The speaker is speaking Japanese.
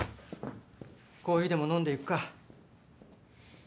コーヒーでも飲んでいくか。